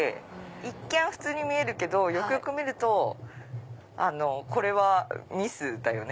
一見普通に見えるけどよくよく見るとこれはミスだよね！